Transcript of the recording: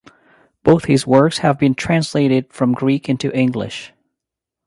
Both his works have been translated from Greek into English.